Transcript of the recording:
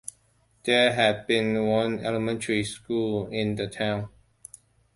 There had been one elementary school in the town.